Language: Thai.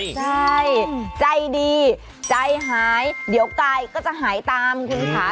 ใช่ใจดีใจหายเดี๋ยวกายก็จะหายตามคุณค่ะ